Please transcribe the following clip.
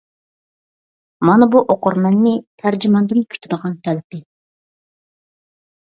مانا بۇ ئوقۇرمەننى تەرجىماندىن كۈتىدىغان تەلىپى.